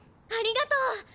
ありがとう！